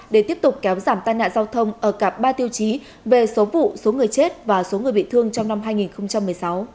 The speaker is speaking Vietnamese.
để tiếp tục kéo giảm tai nạn giao thông ở cả ba tiêu chí về số vụ số người chết và số người bị thương trong năm hai nghìn một mươi sáu